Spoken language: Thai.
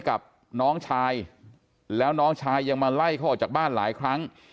กับน้องชายแล้วน้องชายยังมาไล่เขาออกจากบ้านหลายครั้ง